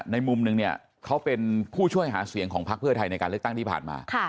ในมุมนึงเนี่ยเขาเป็นผู้ช่วยหาเสียงของพักเพื่อไทยในการเลือกตั้งที่ผ่านมา